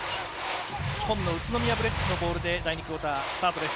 紺の宇都宮ブレックスのボールで第２クオーター、スタートです。